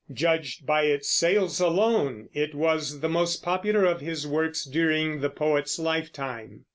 Judged by its sales alone, it was the most popular of his works during the poet's lifetime.